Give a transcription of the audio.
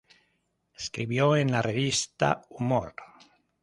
Escribió en la revista Humor.